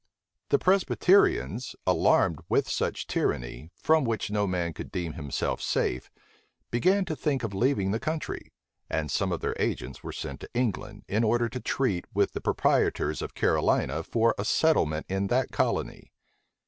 The Presbyterians, alarmed with such tyranny, from which no man could deem himself safe, began to think of leaving the country; and some of their agents were sent to England, in order to treat with the proprietors of Carolina for a settlement in that colony.